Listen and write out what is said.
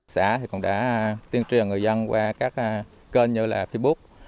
xã cũng đã tiên truyền người dân qua các kênh như facebook